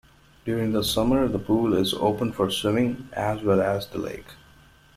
During the summer the pool is open for swimming, as well as the lake.